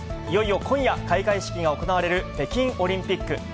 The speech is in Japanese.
いよいよ、今夜、開会式が行われる北京オリンピック。